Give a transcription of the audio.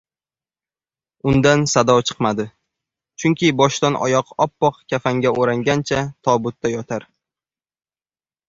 Undan sado chiqmadi. Chunki boshdan oyoq oppoq kafanga o‘rangancha tobutda yotar